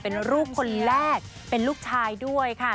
เป็นลูกคนแรกเป็นลูกชายด้วยค่ะ